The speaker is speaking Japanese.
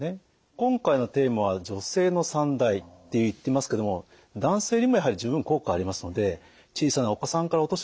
今回のテーマは女性の三大って言ってますけども男性にもやはり十分効果がありますので小さなお子さんからお年寄りまでですね